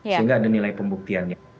sehingga ada nilai pembuktiannya